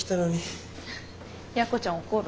やこちゃん怒る？